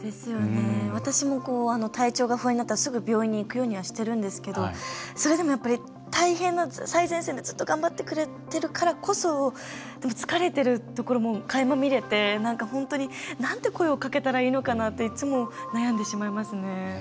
私も体調が不安になったらすぐ病院に行くようにはしてるんですけどそれでも、大変な最前線でずっと頑張ってくれているからこそ疲れてるところも、かいま見れて本当に、なんて声をかけたらいいのかなっていつも悩んでしまいますね。